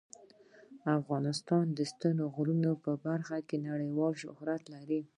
افغانستان د ستوني غرونه په برخه کې نړیوال شهرت لري.